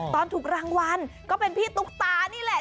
ตอนถูกรางวัลก็เป็นพี่ตุ๊กตานี่แหละ